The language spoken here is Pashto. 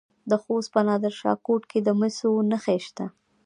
د خوست په نادر شاه کوټ کې د مسو نښې شته.